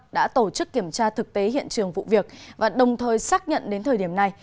đã tổ chức kiểm tra thực tế hiện trường vụ việc và đồng thời xác nhận đến thời điểm này